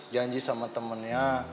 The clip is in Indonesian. janji sama temennya